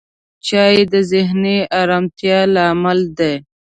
چای د ذهني آرامتیا لامل دی